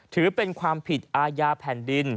ถือเป็นความผิดอาญาแผ่นดิน